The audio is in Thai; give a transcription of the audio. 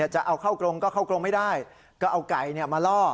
จะเอาเข้ากรงก็เข้ากรงไม่ได้ก็เอาไก่มาล่อ